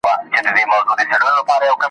د خلکو په لاسونو کې ګلونه وینم